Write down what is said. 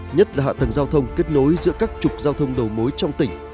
nhất là hạ tầng giao thông kết nối giữa các trục giao thông đầu mối trong tỉnh